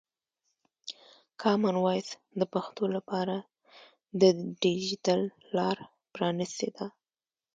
کامن وایس د پښتو لپاره د ډیجیټل لاره پرانستې ده.